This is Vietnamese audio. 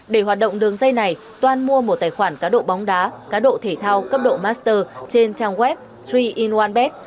để hoạt động đường dây này toan mua một tài khoản cá độ bóng đá cá độ thể thao cấp độ master trên trang web ba in một bet